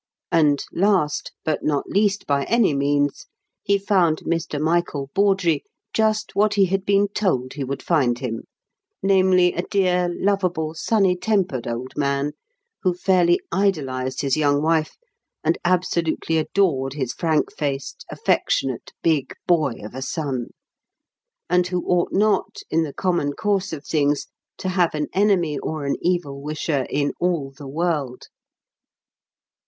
And last, but not least by any means, he found Mr. Michael Bawdrey just what he had been told he would find him, namely, a dear, lovable, sunny tempered old man, who fairly idolised his young wife and absolutely adored his frank faced, affectionate, big boy of a son, and who ought not, in the common course of things, to have an enemy or an evil wisher in all the world.